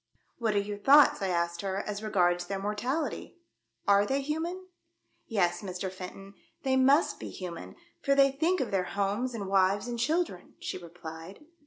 *' What are your thoughts," I asked her, "as regards their mortality ? Are they human ?' •'Yes, Mr. Fenton, they must be human, for they think of their homes and wives and children," she replied.